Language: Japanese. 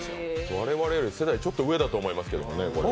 我々より世代、ちょっと上だと思いますけどねこれは。